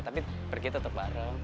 tapi pergi tetep bareng